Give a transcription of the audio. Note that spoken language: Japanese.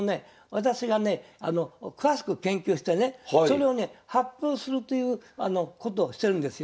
私がね詳しく研究してねそれをね発表するということをしてるんですよ。